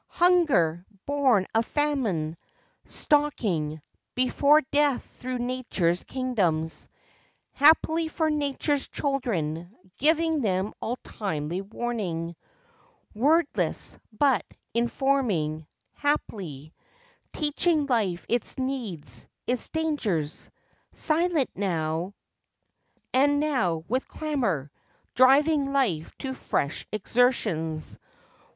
Hunger! born of famine ! stalking Before death through nature's kingdoms! Happily for nature's children, Giving them all timely warning— Wordless, but informing; hap'ly, Teaching life its needs, its dangers; Silent now, and now with clamor Driving life to fresh exertions!